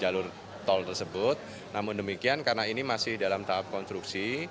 jalur tol tersebut namun demikian karena ini masih dalam tahap konstruksi